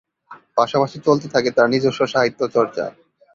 পাশাপাশি চলতে থাকে তার নিজস্ব সাহিত্য চর্চা।